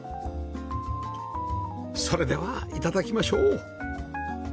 それでは頂きましょう